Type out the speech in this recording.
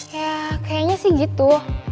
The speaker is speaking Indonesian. ya kayaknya sih gitu